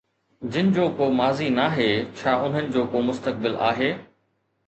جن جو ڪو ماضي ناهي، ڇا انهن جو ڪو مستقبل آهي؟